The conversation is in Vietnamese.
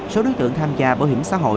số đối tượng tham gia bảo hiểm xã hội